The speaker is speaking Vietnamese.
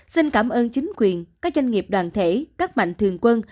xin cảm ơn chính quyền các doanh nghiệp đoàn thể các mạnh thường quân